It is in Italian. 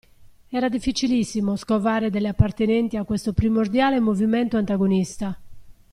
Era difficilissimo scovare delle appartenenti a questo primordiale movimento antagonista.